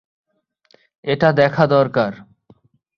এটা দেখা দরকার।